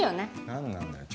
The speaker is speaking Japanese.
何なんだよ